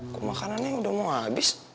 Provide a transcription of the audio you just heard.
kok makanannya udah mau habis